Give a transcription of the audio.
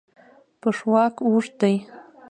پښواک اوږد دی.